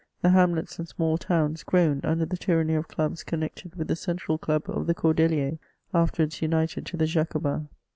The hamlets and small towns groaned under the tyranny of clubs connected with the central club of the Cordeliers, afterwards united to the Jacobins.